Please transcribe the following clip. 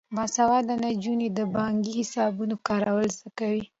باسواده نجونې د بانکي حسابونو کارول زده کوي.